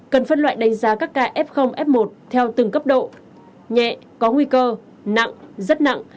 cần phân loại đánh giá các ca f f một theo từng cấp độ nhẹ có nguy cơ nặng rất nặng